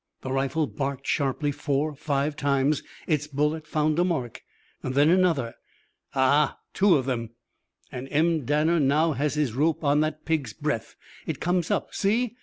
The rifle barked sharply four, five times. Its bullet found a mark. Then another. "Ahaaa! Two of them! And M. Danner now has his rope on that pig's breath. It comes up. See!